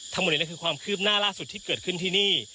ทั้งหมดนี้คือความคืบหน้าล่าสุดที่เกิดขึ้นที่นี่